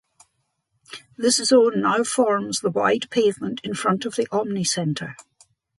This zone now forms the wide pavement in front of the Omni Centre.